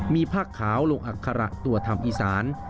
มีผ้าขาวลงอัคระตัวธรรมอีสาน